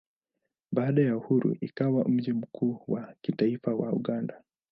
Baada ya uhuru ikawa mji mkuu wa kitaifa wa Uganda.